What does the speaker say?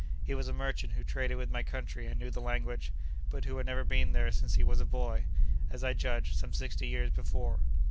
He was a merchant who traded with my country and knew the language, but who had never been there since he was a boy—as I judge, some sixty years before.